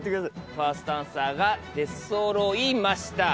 ファーストアンサーが出そろいました。